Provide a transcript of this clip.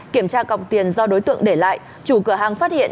kiểm tra cọc tiền do đối tượng để lại chủ cửa hàng phát hiện